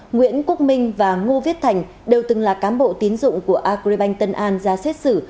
nguyễn quốc minh và ngô viết thành đều từng là cán bộ tín dụng của agribank tân an ra xét xử